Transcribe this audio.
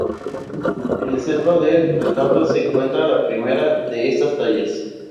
En el centro del retablo se encuentra la primera de estas tallas.